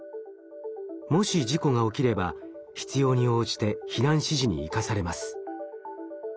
もし事故が起きれば必要に応じて避難指示に生かされます。